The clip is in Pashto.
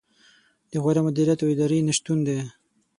د غوره مدیریت او ادارې نه شتون دی.